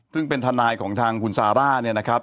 ซึ่งเป็นทนายของทางคุณซาร่าเนี่ยนะครับ